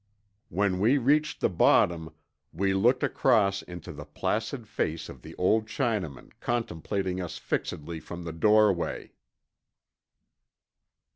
When we reached the bottom we looked across into the placid face of the old Chinaman contemplating us fixedly from the doorway!